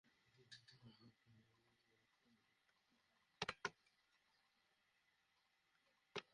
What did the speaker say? এটি হলো দেওয়ানি অভিযোগ নিষ্পত্তিতে বহুজাতিক প্রতিষ্ঠানগুলোর দেওয়া সর্বোচ্চ জরিমানার রেকর্ড।